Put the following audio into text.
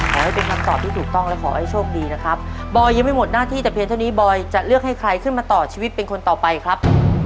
ขอให้เป็นคำตอบที่ถูกต้องและขอให้โชคดีนะครับบอยยังไม่หมดหน้าที่แต่เพียงเท่านี้บอยจะเลือกให้ใครขึ้นมาต่อชีวิตเป็นคนต่อไปครับ